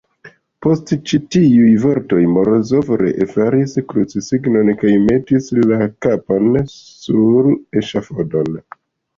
Post ĉi tiuj vortoj Morozov ree faris krucsignon kaj metis la kapon sur eŝafodon.